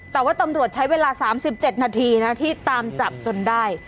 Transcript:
แต่ว่าตำรวจใช้เวลาสามสิบเจ็ดนาทีนะที่ตามจับจนได้